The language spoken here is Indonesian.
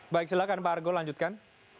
baik silahkan pak argo lanjutkan